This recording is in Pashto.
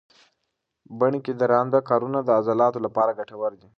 بڼ کې درانده کارونه د عضلاتو لپاره ګټور دي.